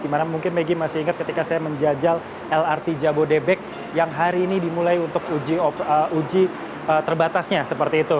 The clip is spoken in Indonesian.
dimana mungkin maggie masih ingat ketika saya menjajal lrt jabodebek yang hari ini dimulai untuk uji terbatasnya seperti itu